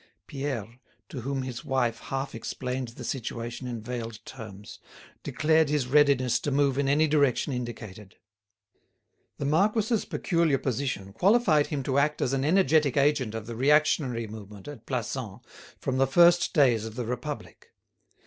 Pierre, to whom his wife half explained the situation in veiled terms, declared his readiness to move in any direction indicated. The marquis's peculiar position qualified him to act as an energetic agent of the reactionary movement at Plassans from the first days of the Republic.